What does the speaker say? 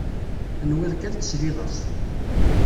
Tenwiḍ kan tesliḍ-as.